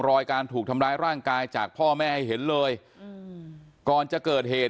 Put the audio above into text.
รอยการถูกทำร้ายร่างกายจากพ่อแม่ให้เห็นเลยอืมก่อนจะเกิดเหตุ